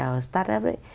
phong trào start up đấy